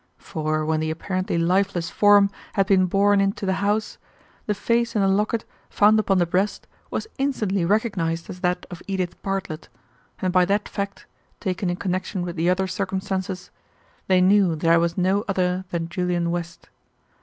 For when the apparently lifeless form had been borne into the house, the face in the locket found upon the breast was instantly recognized as that of Edith Bartlett, and by that fact, taken in connection with the other circumstances, they knew that I was no other than Julian West.